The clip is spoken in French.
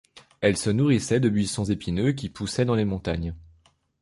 Elle se nourrissait de buissons épineux qui poussait dans les montagnes.